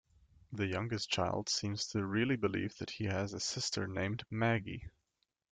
The youngest child seems to really believe that he has a sister named Maggie.